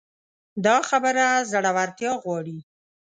دا خبره زړورتيا غواړي.